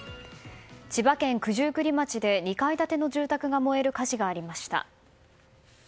千葉県九十九里町で２階建ての住宅が燃える火事がありました。